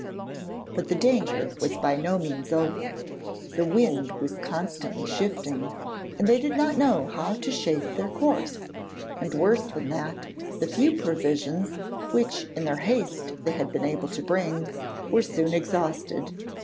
But the danger was by no means over, the wind was constantly shifting, and they did not know how to shape their course; and worse than that, the few provisions, which in their haste they had been able to bring, were soon exhausted.